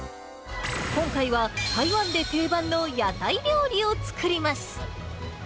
今回は、台湾で定番の屋台料理を作ります。